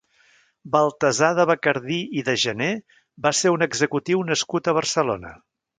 Baltasar de Bacardí i de Janer va ser un executiu nascut a Barcelona.